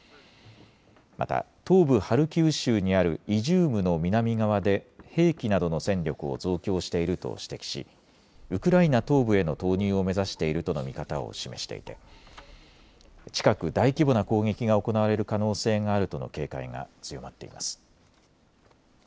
また、東部ハルキウ州にあるイジュームの南側で兵器などの戦力を増強していると指摘しウクライナ東部への投入を目指しているとの見方を示していて近く大規模な攻撃が行われる可能性があるとの警戒が強まっています。